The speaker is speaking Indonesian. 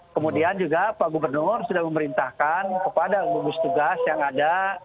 kemudian juga pak gubernur sudah memerintahkan kepada gugus tugas yang ada